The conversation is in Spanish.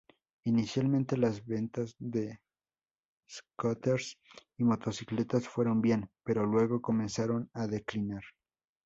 Inicialmente, las ventas de scooters y motocicletas fueron bien, pero luego comenzaron a declinar.